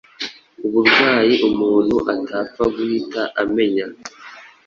Uburwayi umuntu atapfa guhita amenya